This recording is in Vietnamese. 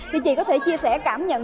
thì chị có thể chia sẻ cảm nhận